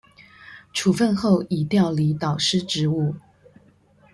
處分後已調離導師職務